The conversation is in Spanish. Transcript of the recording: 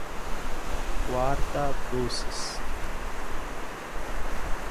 Cuarta dosis